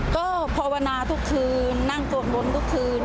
ก็ภาวนาทุกคืนนั่งสวดมนต์ทุกคืน